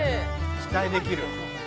「期待できる」